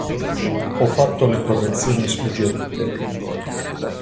Ho fatto le correzioni suggerite!